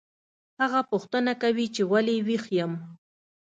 هغه پوښتنه کوي چې ولې ویښ یم